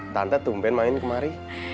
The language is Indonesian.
tante tumpen main kemari